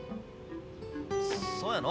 そうやのう。